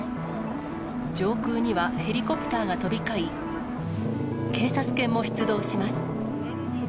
上空にはヘリコプターが飛び交い、警察犬も出動します。